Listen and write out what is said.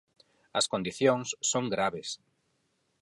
As condicións son graves.